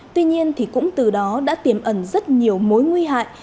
tuy nhiên thì cũng từ đó đã tiềm ẩn rất nhiều mối nguy hại